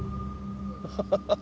ハハハハ！